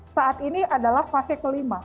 saat ini adalah fase kelima